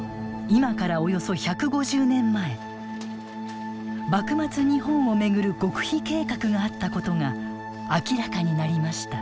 今からおよそ１５０年前幕末日本を巡る極秘計画があったことが明らかになりました。